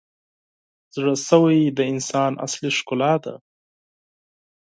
• زړه سوی د انسان اصلي ښکلا ده.